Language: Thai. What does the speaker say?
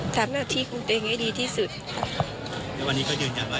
ทำหน้าที่คุณต้องคุ้มตัวเองให้ดีที่สุดค่ะ